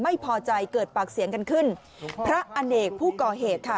ไม่พอใจเกิดปากเสียงกันขึ้นพระอเนกผู้ก่อเหตุค่ะ